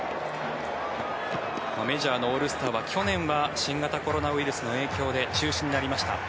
メジャーのオールスターは去年は新型コロナウイルスの影響で中止になりました。